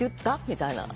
みたいな。